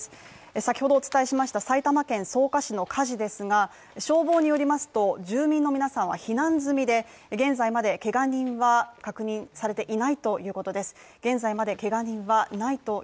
先ほどお伝えしました埼玉県草加市の火事ですが消防によりますと、住民の皆さんは避難済みで現在まで、けが人は確認されていないということです。